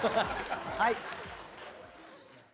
はい。